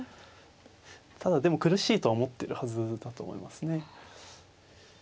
ただでも苦しいとは思ってるはずだと思いますね。